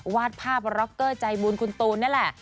วาดภาพร็อกเกอร์ใจบุญคุณตูนนี่แหละ